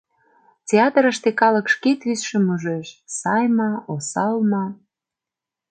Театрыште калык шке тӱсшым ужеш: сай ма, осал ма.